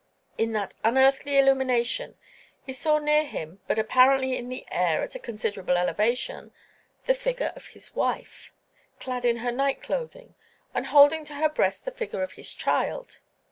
In that unearthly illumination he saw near him, but apparently in the air at a considerable elevation, the figure of his wife, clad in her night clothing and holding to her breast the figure of his child.